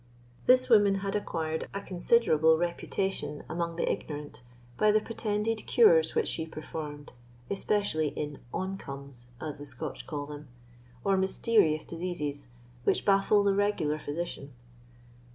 This woman had acquired a considerable reputation among the ignorant by the pretended cures which she performed, especially in oncomes, as the Scotch call them, or mysterious diseases, which baffle the regular physician.